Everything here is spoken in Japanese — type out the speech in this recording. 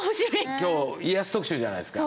今日家康特集じゃないですか。